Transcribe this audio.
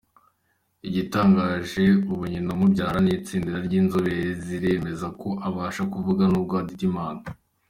Igitangaje ubu nyina umubyara n’itsinda ry’inzobere ziremeza ko abasha kuvuga nubwo adidimanga.